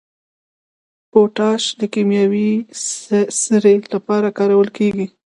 پوټاش د کیمیاوي سرې لپاره کارول کیږي.